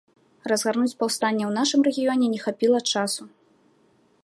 Разгарнуць паўстанне ў нашым рэгіёне не хапіла часу.